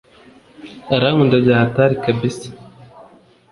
arankunda byahatr kabsa